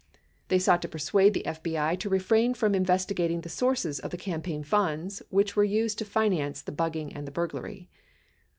They sought to persuade the FBI to refrain from investigating the sources of the campaign funds which were used to finance the bug ging and the burglary.